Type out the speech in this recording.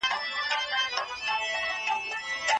د تاريخ فلسفه يو فکري عامل دی.